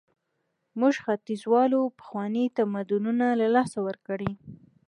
موږ ختیځوالو پخواني تمدنونه له لاسه ورکړي.